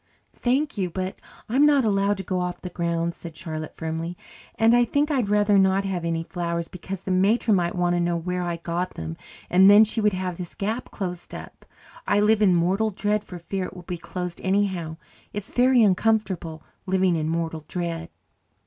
"Thank you, but I am not allowed to go off the grounds," said Charlotte firmly, "and I think I'd rather not have any flowers because the matron might want to know where I got them, and then she would have this gap closed up. I live in mortal dread for fear it will be closed anyhow. It's very uncomfortable living in mortal dread."